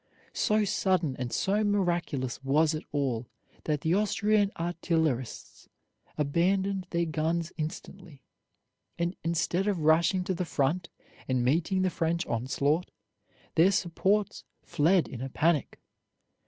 So sudden and so miraculous was it all that the Austrian artillerists abandoned their guns instantly, and instead of rushing to the front and meeting the French onslaught, their supports fled in a panic.